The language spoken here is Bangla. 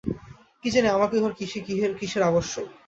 কী জানি আমাকে উহার কিসের আবশ্যক।